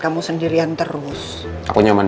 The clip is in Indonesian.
kamu sendirian terus kamu nyaman